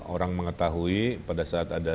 orang mengetahui pada saat ada